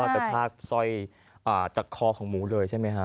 กระชากสร้อยจากคอของหมูเลยใช่ไหมฮะ